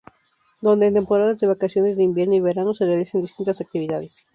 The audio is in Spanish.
Donde en temporadas de vacaciones de invierno y verano se realizan distintas actividades.